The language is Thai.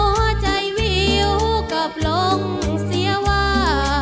หัวใจวิวกลับลงเสียว่า